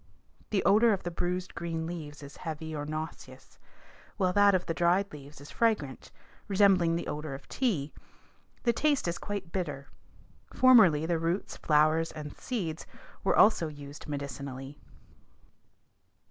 The odor of the bruised green leaves is heavy or nauseous, while that of the dried leaves is fragrant, resembling the odor of tea. The taste is quite bitter. Formerly the roots, flowers and seeds were also used medicinally.